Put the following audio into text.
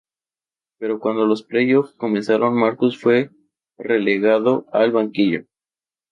Pero cuando los playoffs comenzaron Marcus fue relegado al banquillo.